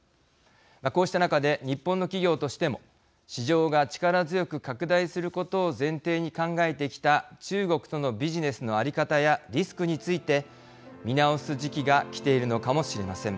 こうした中で日本の企業としても市場が力強く拡大することを前提に考えてきた中国とのビジネスの在り方やリスクについて見直す時期がきているのかもしれません。